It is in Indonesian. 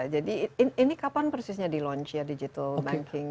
jadi ini kapan persisnya di launch ya digital banking